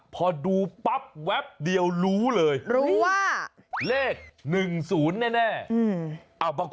พอดูปั๊บแว๊บเดียวรู้เลยรู้ว่าเลขหนึ่งศูนย์แน่อืม